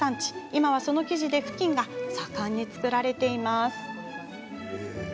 今は、その生地でふきんが盛んに作られています。